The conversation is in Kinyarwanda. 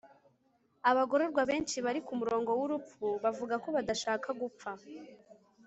abagororwa benshi bari ku murongo w'urupfu bavuga ko badashaka gupfa